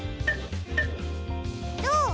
どう？